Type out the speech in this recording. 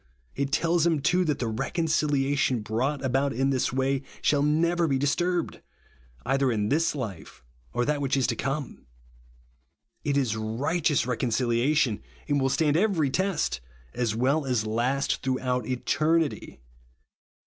It tells him, too, that the reconciliation brought about in this way shall never be disturbed, either in this life or that wliich is to come. It is righteous reconciliation, and will stand every test, as well as last throughout eternity.